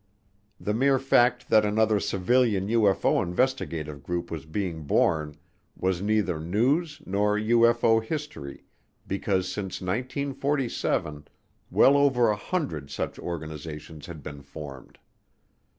The mere fact that another civilian UFO investigative group was being born was neither news nor UFO history because since 1947 well over a hundred such organizations had been formed.